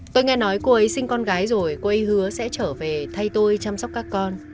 tôi nghe nói cô ấy sinh con gái rồi cô ấy hứa sẽ trở về thay tôi chăm sóc các con